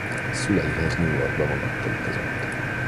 Szüleihez New Yorkba vonattal utazott.